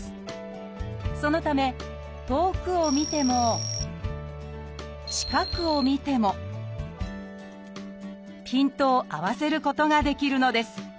そのため遠くを見ても近くを見てもピントを合わせることができるのです。